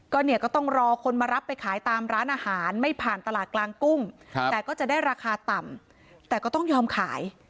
ก็เนี่ยก็ต้องรอคนมารับไปขายตามร้านอาหารไม่ผ่านตลาดกลางกุ้งแต่ก็จะได้ราคาต่ำแต่ก็ต้องยอมขาย